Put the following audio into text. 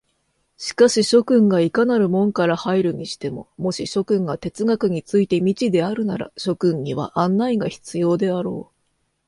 しかし諸君がいかなる門から入るにしても、もし諸君が哲学について未知であるなら、諸君には案内が必要であろう。